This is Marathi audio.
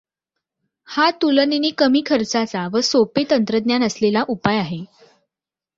हा तुलेनेने कमी खर्चाचा व सोपे तंत्रज्ञान असलेला उपाय आहे.